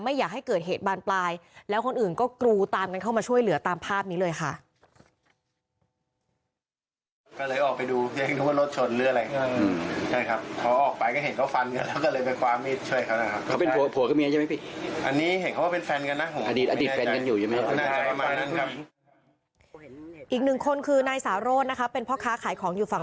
อีกหนึ่งคนคือนายสาโร่นะครับเป็นพ่อค้าขายของอยู่ฝั่ง